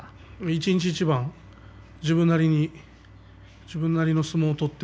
一日一番、自分なりに自分なりの相撲を取って